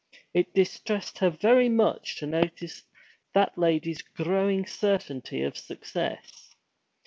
It distressed her very much to notice that lady's growing certainty of success.